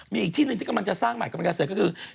มีอีกที่หนึ่งที่กำลังจะสร้างใหม่กำลังจะเสร็จก็คือ